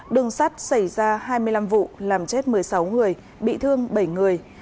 đường sắt xảy ra hai mươi năm vụ làm chết một mươi sáu người bị thương bảy người